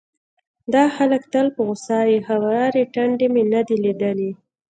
دا خلک تل په غوسه وي، هوارې ټنډې مې نه دي ليدلې،